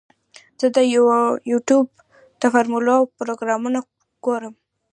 زه د یوټیوب د فلمونو پروګرامونه ګورم.